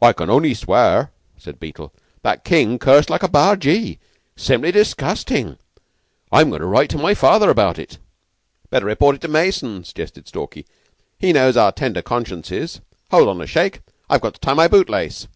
"I can only swear," said Beetle, "that King cursed like a bargee. Simply disgustin'. I'm goin' to write to my father about it." "Better report it to Mason," suggested Stalky. "He knows our tender consciences. Hold on a shake. I've got to tie my boot lace."